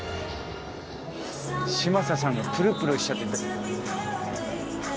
嶋佐さんがプルプルしちゃってて。